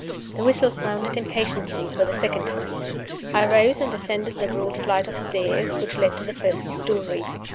The whistle sounded impatiently for the second time. I rose and ascended the broad flight of stairs which led to the first story.